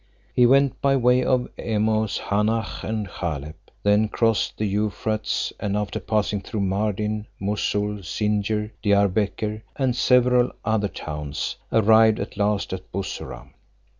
He went by way of Emaus, Hanah, and Halep; then crossed the Euphrates, and after passing through Mardin, Moussoul, Singier, Diarbeker, and several other towns, arrived at last at Bussorah.